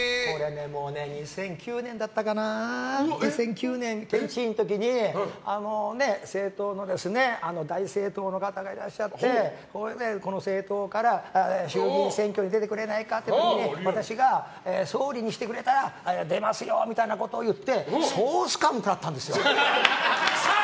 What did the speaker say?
２００９年だったかな県知事の時に大政党の方がいらっしゃってこの政党から衆議院選挙に出てくれないかという感じで私を総理にしてくれたら出ますよみたいなことを言って総すかん食らったんです。